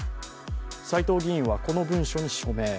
斎藤議員はこの文書に署名。